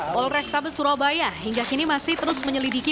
polrestabes surabaya hingga kini masih terus menyelidiki